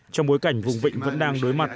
trong bối cảnh vùng vịnh vẫn đang đối mặt